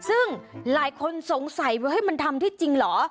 ซึ่งหลายคนสงสัยว่ามันทำได้จริงเหรอ